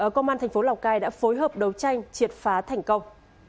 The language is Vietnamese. công an thành phố lào cai đã phối hợp đấu tranh triệt phá thành công